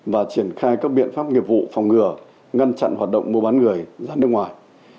và triển khai các biện pháp nghiệp vụ phòng ngừa ngăn chặn hoạt động mua bán người ra nước ngoài